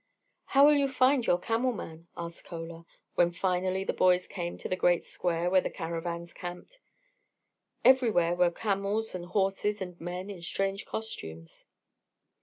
"How will you find your camel man?" asked Chola, when finally the boys came to the great square where the caravans camped. Everywhere were camels and horses and men in strange costumes.